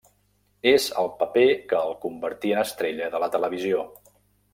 És el paper que el convertí en estrella de la televisió.